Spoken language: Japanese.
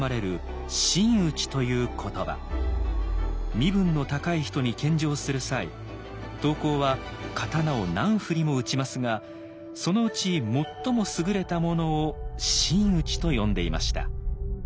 身分の高い人に献上する際刀工は刀を何振りも打ちますがそのうち最も優れたものを「真打」と呼んでいました。